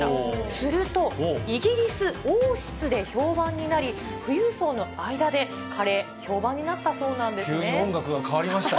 すると、イギリス王室で評判になり、富裕層の間でカレー、急に音楽が変わりましたよ。